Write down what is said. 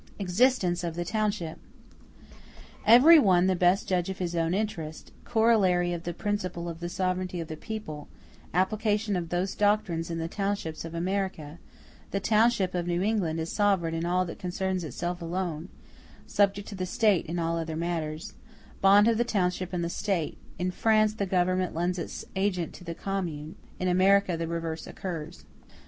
Existence Of The Township Every one the best judge of his own interest—Corollary of the principle of the sovereignty of the people—Application of those doctrines in the townships of America—The township of New England is sovereign in all that concerns itself alone: subject to the State in all other matters—Bond of the township and the State—In France the Government lends its agent to the Commune—In America the reverse occurs.